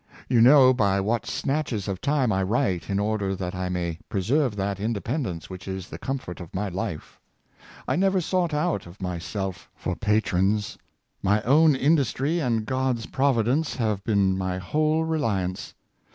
You know by what snatches of time I write in order that I may preserve that independence which is the comfort of my life. I never sought out of myself for patrons. My own industry and God's providence have been my whole reliance.